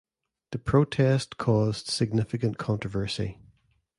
The protest caused significant controversy.